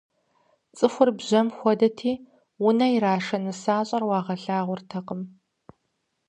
ЦӀыхур бжьэм хуэдэти, унэ ирашэ нысащӀэр уагъэлъагъуртэкъым.